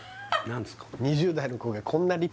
何ですか？